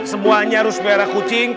semuanya harus beri arah kucing